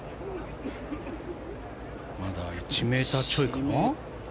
まだ１ｍちょいかな。